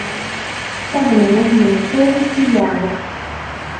Faḍma n At Mensur d tiyaḍ.